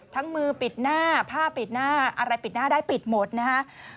มือปิดหน้าผ้าปิดหน้าอะไรปิดหน้าได้ปิดหมดนะฮะ